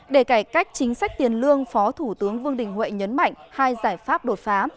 để cải cách chính sách tiền lương phó thủ tướng vương đình huệ nhấn mạnh hai giải pháp đột phá